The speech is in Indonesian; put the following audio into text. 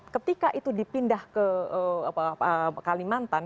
ketika itu dipindah ke kalimantan